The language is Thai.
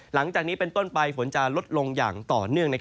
หลังจากนี้เป็นต้นไปฝนจะลดลงอย่างต่อเนื่อง